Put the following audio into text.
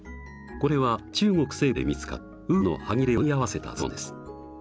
これは中国西部で見つかったウールのはぎれを縫い合わせたズボンです。